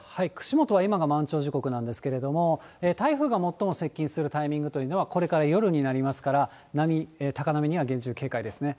串本は今が満潮時刻なんですけれども、台風が最も接近するタイミングというのはこれから夜になりますから、波、高波には厳重警戒ですね。